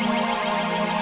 tidak ada masalah